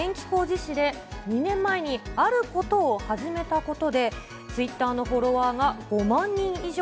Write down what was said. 元電気工事士で２年前にあることを始めたことで、Ｔｗｉｔｔｅｒのフォロワーが５万人以上。